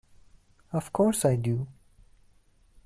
Of course I do!